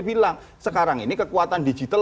bilang sekarang ini kekuatan digital